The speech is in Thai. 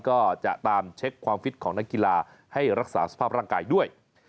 ก็จะตามเช็คความฟิตของนักกีฬาให้รักษาสภาพร่างกายด้วย